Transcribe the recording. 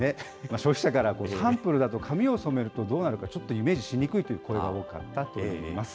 消費者からサンプルだと髪を染めるとどうなるか、ちょっとイメージしにくいという声が多かったといいます。